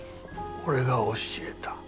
俺が教えた。